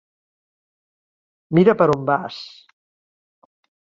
Mira per on vas!